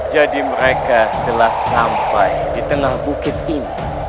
jadi mereka telah sampai di tengah bukit ini